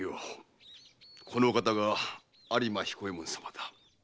このお方が有馬彦右衛門様だ。